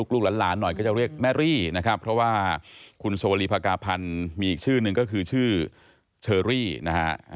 ลูกหลานหน่อยก็จะเรียกแม่รี่นะครับเพราะว่าคุณสวรีภากาพันธ์มีอีกชื่อหนึ่งก็คือชื่อเชอรี่นะฮะ